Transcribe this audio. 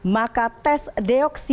maka tes deoklasi